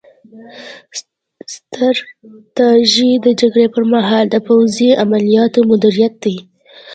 ستراتیژي د جګړې پر مهال د پوځي عملیاتو مدیریت دی